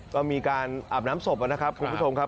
ก็มีการอาบน้ำศพนะครับคุณผู้ชมครับ